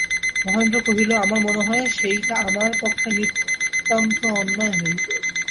মহেন্দ্র কহিল, আমার মনে হয়, সেটা আমার পক্ষে নিতান্ত অন্যায় হইবে।